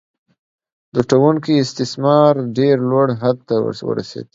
لوټونکی استثمار ډیر لوړ حد ته ورسید.